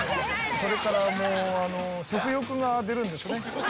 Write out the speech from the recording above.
それからもう、食欲が出るんですね。